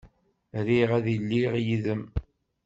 Riɣ ad iliɣ yid-m.